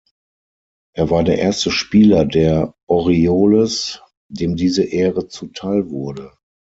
Er war der erste Spieler der Orioles, dem diese Ehre zuteilwurde.